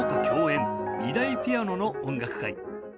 “２ 台ピアノ”の音楽会」